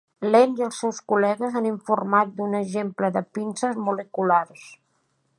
Lehn i els seus col·legues han informat d'un exemple de pinces moleculars.